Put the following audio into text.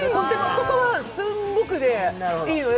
そこは、すんごくいいのよ。